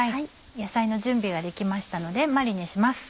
野菜の準備ができましたのでマリネします。